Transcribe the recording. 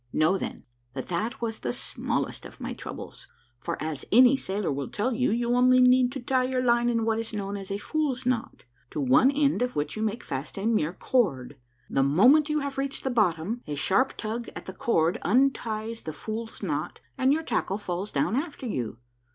Know, then, that that was the smallest of my troubles ; for, as any sailor will tell you, you only need to tie your line in what is known as a " fool's knot," to one end of which you make fast a mere cord. The moment you have reached the bottom, a sharp tug at the cord unties the fool's knot, and your tackle falls down after you.